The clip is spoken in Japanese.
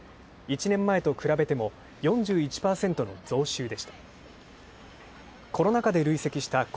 １年前と比べても４１％の増収でした。